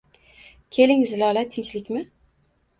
Keling, Zilola, tinchlikmi